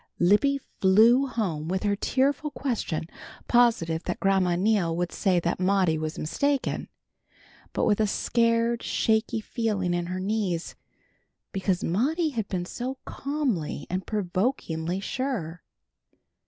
Libby flew home with her tearful question, positive that Grandma Neal would say that Maudie was mistaken, but with a scared, shaky feeling in her knees, because Maudie had been so calmly and provokingly sure.